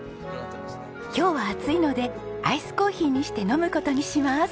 今日は暑いのでアイスコーヒーにして飲む事にします。